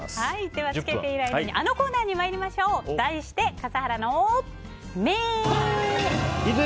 では、漬けている間にあのコーナーに参りましょう題して笠原の眼！